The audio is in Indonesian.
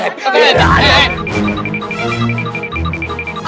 aduh aduh aduh